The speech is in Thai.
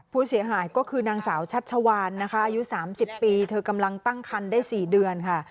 ผู้เสียหายก็คือนางสาวชัชวานนะคะอายุ๓๐ปีเธอกำลังตั้งคันได้๔เดือนค่ะ